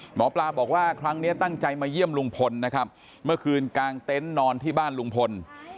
หมอปลาบอกว่าครั้งนี้ตั้งใจมาเยี่ยมลุงพลนะครับเมื่อคืนกางเต็นต์นอนที่บ้านลุงพล